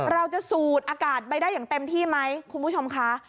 สูดอากาศไปได้อย่างเต็มที่ไหมคุณผู้ชมคะ